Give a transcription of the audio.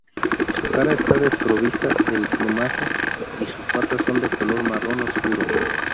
Su cara está desprovista de plumaje y sus patas son de color marrón oscuro.